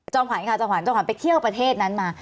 จองขวานค่ะจองขวานจองขวานไปเที่ยวประเทศนั้นมา